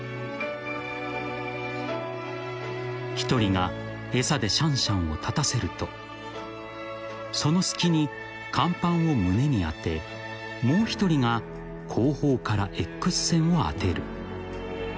［１人が餌でシャンシャンを立たせるとその隙に甲板を胸に当てもう一人が後方からエックス線を当てる］